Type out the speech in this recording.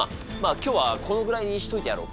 今日はこのぐらいにしといてやろう。